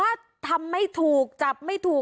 ก็คือเธอนี่มีความเชี่ยวชาญชำนาญ